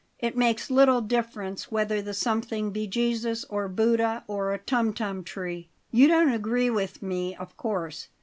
It makes little difference whether the something be Jesus or Buddha or a tum tum tree. You don't agree with me, of course.